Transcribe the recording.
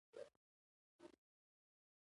دا په لاتینه امریکا کې یوه معمول چاره ګرځېدلې.